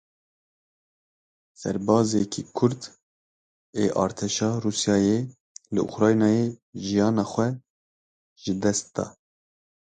Serbazekî Kurd ê artêşa Rûsyayê li Ukraynayê jiyana xwe ji dest da.